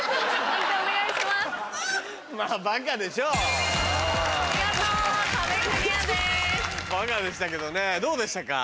バカでしたけどねどうでしたか？